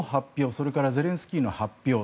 それからゼレンスキーの発表